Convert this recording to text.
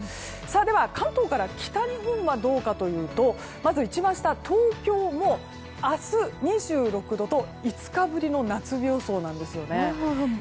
では、関東から北日本はどうかというとまず一番下、東京も明日２６度と５日ぶりの夏日予想なんですね。